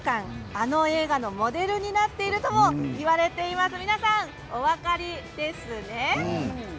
あの映画のモデルになったともいわれていますがお分かりですね。